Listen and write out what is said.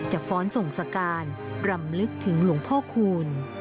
ฟ้อนส่งสการรำลึกถึงหลวงพ่อคูณ